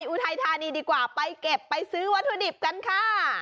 อุทัยธานีดีกว่าไปเก็บไปซื้อวัตถุดิบกันค่ะ